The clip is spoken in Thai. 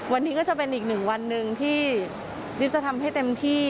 วันนี้ก็จะเป็นอีกหนึ่งวันหนึ่งที่ดิบจะทำให้เต็มที่